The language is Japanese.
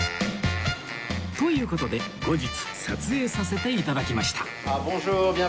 という事で後日撮影させて頂きました